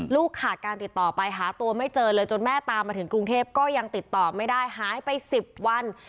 ขาดการติดต่อไปหาตัวไม่เจอเลยจนแม่ตามมาถึงกรุงเทพก็ยังติดต่อไม่ได้หายไป๑๐วัน